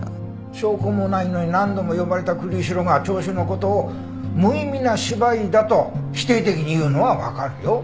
証拠もないのに何度も呼ばれた栗城が聴取の事を「無意味な芝居だ」と否定的に言うのはわかるよ。